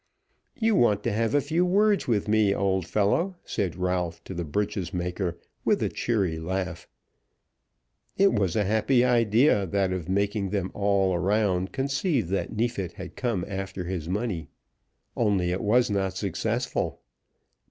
"You want to have a few words with me, old fellow," said Ralph to the breeches maker, with a cheery laugh. It was a happy idea that of making them all around conceive that Neefit had come after his money. Only it was not successful.